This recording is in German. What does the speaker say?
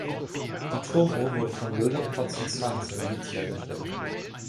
Die Turmuhr wurde von William Potts and Sons in Leeds hergestellt.